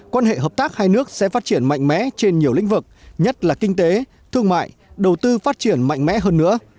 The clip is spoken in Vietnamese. quan hệ hợp tác hai nước sẽ phát triển mạnh mẽ trên nhiều lĩnh vực nhất là kinh tế thương mại đầu tư phát triển mạnh mẽ hơn nữa